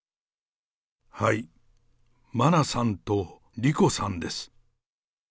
はい、真菜さんと莉子さんです。